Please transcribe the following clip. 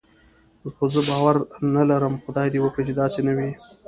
خو زه باور پرې نه لرم، خدای دې وکړي چې داسې نه وي.